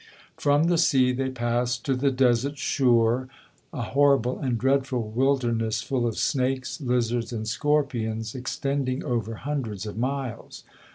From the sea they passed to the desert Shur, a horrible and dreadful wilderness, full of snakes, lizards, and scorpions, extending over hundreds of miles.